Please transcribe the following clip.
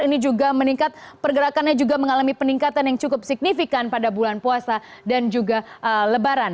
ini juga meningkat pergerakannya juga mengalami peningkatan yang cukup signifikan pada bulan puasa dan juga lebaran